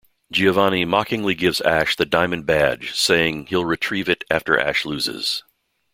Giovanni mockingly gives Ash the Diamond Badge, saying he'll retrieve it after Ash loses.